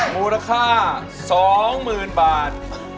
มูลค่าสองหมื่นบาท